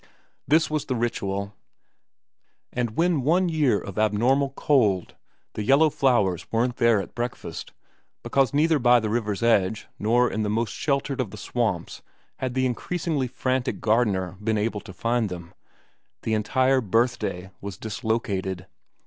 This was the ritual ; and when one year of abnormal cold the yellow flowers weren't there at breakfast, because neither by the river's edge nor in the most sheltered of the swamps had the increasingly frantic gardener been able to find them, the entire birthday was dislocated.